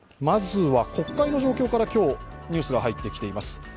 まずは国会の状況から今日ニュースが入ってきています。